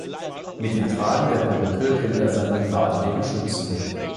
Mit dem Tragen der Perücke will er sein Privatleben schützen.